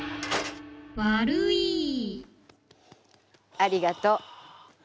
ありがとう。はあ。